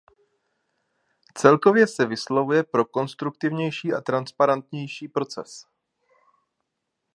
Celkově se vyslovuje pro konstruktivnější a transparentnější proces.